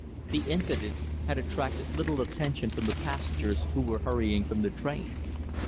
The incident had attracted little attention from the passengers who were hurrying from the train.